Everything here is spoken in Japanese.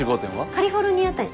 カリフォルニア店。